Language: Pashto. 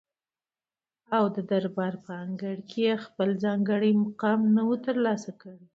او ددربار په انګړ کي یې خپل ځانګړی مقام نه وو تر لاسه کړی